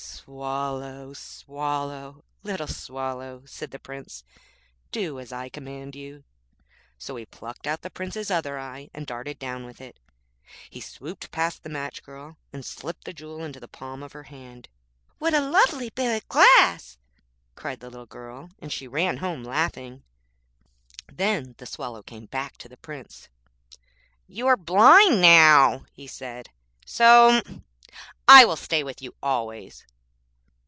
'Swallow, Swallow, little Swallow,' said the Prince, 'do as I command you.' So he plucked out the Prince's other eye, and darted down with it. He swooped past the match girl, and slipped the jewel into the palm of her hand. 'What a lovely bit of glass,' cried the little girl; and she ran home, laughing. Then the Swallow came back to the Prince. 'You are blind now,' he said, 'so I will stay with you always.'